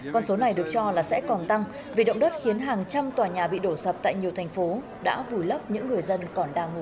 con số này được cho là sẽ còn tăng vì động đất khiến hàng trăm tòa nhà bị đổ sập tại nhiều thành phố đã vùi lấp những người dân còn đang ngủ